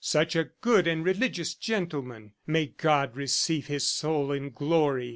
Such a good and religious gentleman! May God receive his soul in glory! .